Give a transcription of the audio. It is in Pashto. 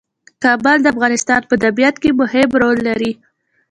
کابل د افغانستان په طبیعت کې مهم رول لري.